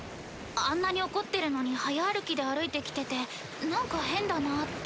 あんなに怒ってるのに早歩きで歩いてきててなんか変だなぁって。